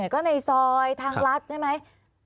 ก็ในซอยทางรัฐใช่ไหม